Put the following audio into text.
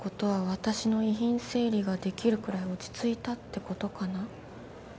「私の遺品整理ができるくらい落ち着いたってことかな」